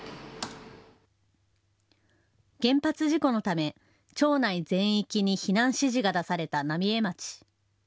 原発事故のため町内全域に避難指示が出された浪江町。